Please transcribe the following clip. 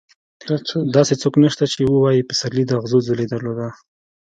داسې څوک نشته چې ووايي پسرلي د اغزو ځولۍ درلوده.